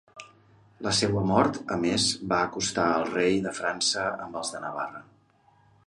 La seua mort a més va acostar al rei de França amb els de Navarra.